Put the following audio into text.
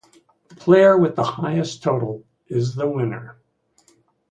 The player with the highest total is the winner.